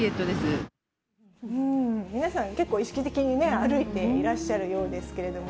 皆さん、結構意識的に歩いていらっしゃるようですけれども。